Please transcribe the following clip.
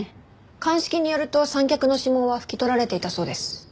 鑑識によると三脚の指紋は拭き取られていたそうです。